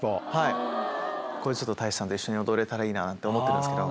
これ太一さんと一緒に踊れたらいいなって思ってるんですけど。